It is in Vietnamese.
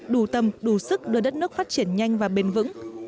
đủ tâm đủ sức đưa đất nước phát triển nhanh và bền vững